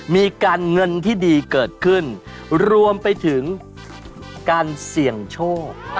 มีการเงินที่ดีเกิดขึ้นรวมไปถึงการเสี่ยงโชค